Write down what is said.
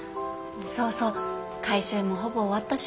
そうそう回収もほぼ終わったし。